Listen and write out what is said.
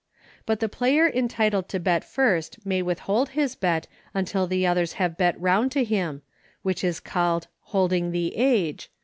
But the player entitled to bet first may withhold his bet until the otl. have bet round to him, which is called "hold ing the r_v."